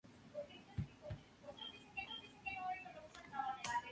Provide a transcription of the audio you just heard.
Durante siglos ha estado habitado por nómadas y pastores.